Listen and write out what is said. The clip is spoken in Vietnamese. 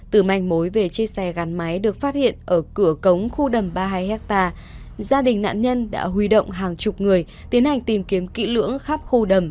từ manh mối về chiếc xe gắn máy được phát hiện ở cửa cống khu đầm ba mươi hai hectare gia đình nạn nhân đã huy động hàng chục người tiến hành tìm kiếm kỹ lưỡng khắp khu đầm